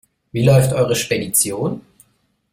Wie läuft eure Spedition?